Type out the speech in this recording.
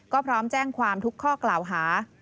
ก็พร้อมแจ้งความทุกข้อกล่าวหา